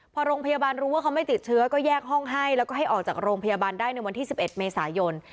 พอโรงพยาบาลรู้ว่าเขาไม่ติดเชื้อก็แยกห้องให้แล้วก็ให้ออกจากโรงพยาบาลได้ในวันที่๑๑เมษายน